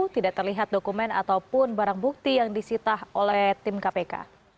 tidak terlihat dokumen ataupun barang bukti yang disita oleh tim kpk